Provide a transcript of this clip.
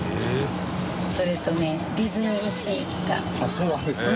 そうなんですね。